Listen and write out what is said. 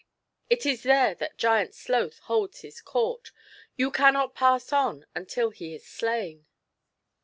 It is there that Giant Sloth holds his court ; you cannot pass on until he is slain.